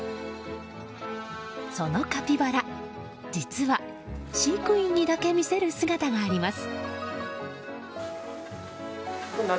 そのカピバラ、実は飼育員にだけ見せる姿があります。